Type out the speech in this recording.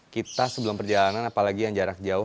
kita sebelum perjalanan apalagi yang jarak jauh